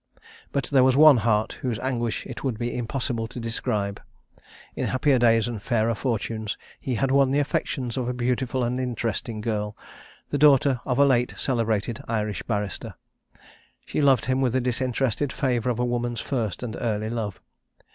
"But there was one heart, whose anguish it would be impossible to describe. In happier days and fairer fortunes, he had won the affections of a beautiful and interesting girl, the daughter of a late celebrated Irish barrister. She loved him with the disinterested fervour of a woman's first and early love.